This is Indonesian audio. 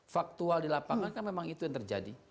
faktual di lapangan kan memang itu yang terjadi